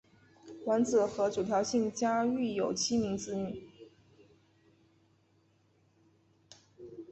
完子和九条幸家育有七名子女。